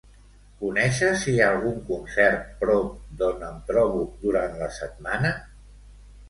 Coneixes si hi ha algun concert prop d'on em trobo durant la setmana?